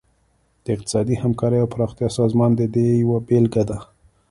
د اقتصادي همکارۍ او پراختیا سازمان د دې یوه بیلګه ده